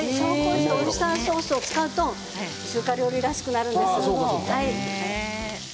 オイスターソースを使うと中華料理らしくなるんですよ。